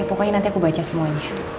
pokoknya nanti aku baca semuanya